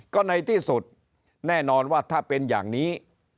ก็ในที่สุดแน่นอนว่าถ้าเป็นอย่างนี้